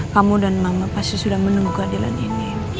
kamu dan mama pasti sudah menunggu keadilan ini